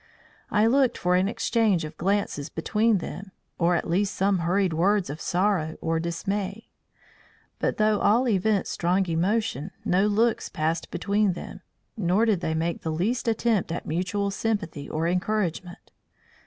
I looked for an exchange of glances between them or at least some hurried words of sorrow or dismay. But though all evinced strong emotion, no looks passed between them, nor did they make the least attempt at mutual sympathy or encouragement.